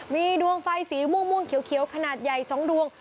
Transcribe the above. มีดวงไฟสีม่วงเขียวขนาดใหญ่๒ดวง